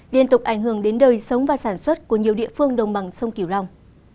liên tục ảnh hưởng đến đời sống và sản xuất của nhiều địa phương đồng bằng sông kiều long